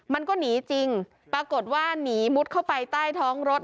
มันก็หนีจริงปรากฏว่าหนีมุดเข้าไปใต้ท้องรถ